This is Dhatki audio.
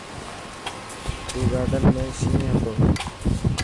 زو گارڊن ۾ شين هتو.